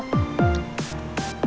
nggak ada yang ngejepit